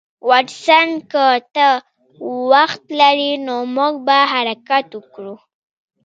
واټسن که ته وخت لرې نو موږ به حرکت وکړو